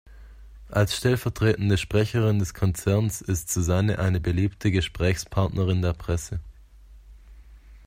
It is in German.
Als stellvertretende Sprecherin des Konzerns ist Susanne eine beliebte Gesprächspartnerin der Presse.